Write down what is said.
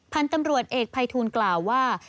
พันธุ์ตำรวจเอกภัยทูลกล่าวว่า